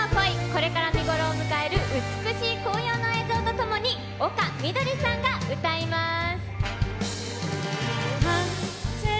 これからが見ごろを迎える美しい紅葉の映像とともに丘みどりさんが歌います。